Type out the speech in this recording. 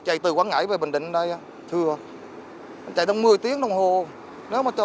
cho tổng bình một mươi tiếng đồng hồ mà chạy